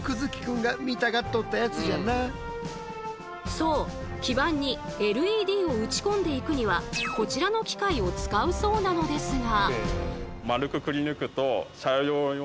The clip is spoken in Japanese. そう基板にＬＥＤを打ちこんでいくにはこちらの機械を使うそうなのですが。